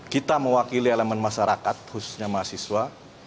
kita mewakili elemen masyarakat khususnya mahasiswa